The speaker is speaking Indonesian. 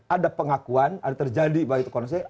ada pengakuan ada terjadi bahwa itu korupsi